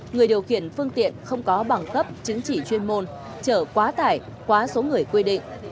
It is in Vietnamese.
người điều khiển phương tiện không có bằng cấp chứng chỉ chuyên môn chở quá tải quá số người quy định